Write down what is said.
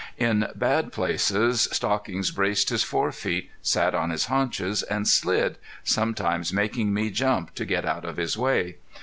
In bad places Stockings braced his forefeet, sat on his haunches, and slid, sometimes making me jump to get out of his way.